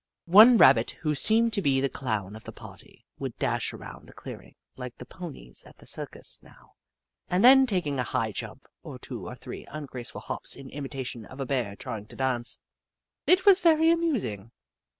One Rabbit, who seemed to be the clown of the party, would dash around the clearing like the ponies at the circus, now and then taking a high jump, or two or three ungraceful hops in imitation of a Bear trying to dance. It was very amusing.